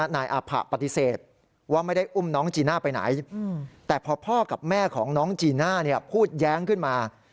นายอาผะปฏิเสธว่าไม่ได้อุ้มน้องจีน่าไปไหนแต่พอพ่อกับแม่ของน้องจีน่าพูดแย้งขึ้นมา